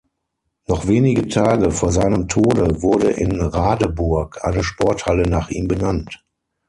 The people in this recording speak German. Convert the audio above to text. Noch wenige Tage vor seinem Tode wurde in Radeburg eine Sporthalle nach ihm benannt.